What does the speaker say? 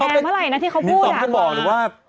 เขาจะเอ่นแอร์เมื่อไรนะที่เขาพูด